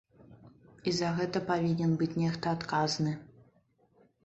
І за гэта павінен быць нехта адказны.